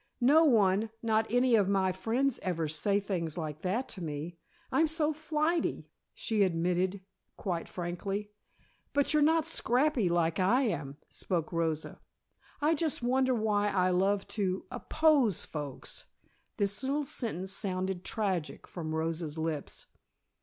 "No one, not any of my friends, ever say things like that to me; I'm so flighty," she admitted quite frankly. "But you're not scrappy like I am," spoke Rosa. "I just wonder why I love to oppose folks." This little sentence sounded tragic from Rosa's lips.